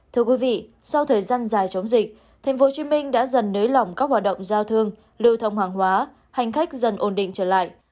thưa quý vị sau thời gian dài chống dịch tp hcm đã dần nới lỏng các hoạt động giao thương lưu thông hàng hóa hành khách dần ổn định trở lại